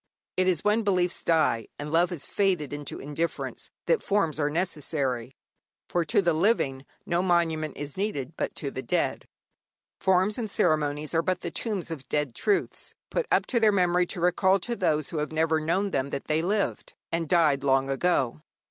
It is when beliefs die, and love has faded into indifference, that forms are necessary, for to the living no monument is needed, but to the dead. Forms and ceremonies are but the tombs of dead truths, put up to their memory to recall to those who have never known them that they lived and died long ago.